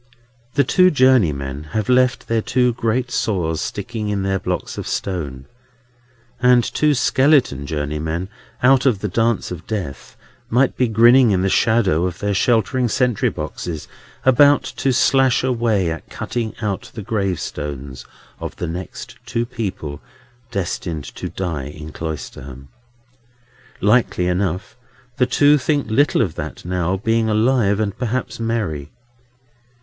The two journeymen have left their two great saws sticking in their blocks of stone; and two skeleton journeymen out of the Dance of Death might be grinning in the shadow of their sheltering sentry boxes, about to slash away at cutting out the gravestones of the next two people destined to die in Cloisterham. Likely enough, the two think little of that now, being alive, and perhaps merry.